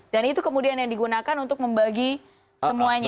dan itu kemudian yang digunakan untuk membagi semuanya